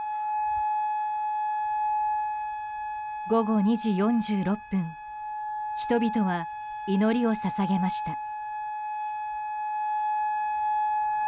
午後２時４６分人々は祈りを捧げました。